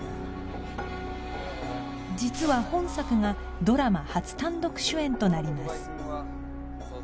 実は本作がドラマ初単独主演となります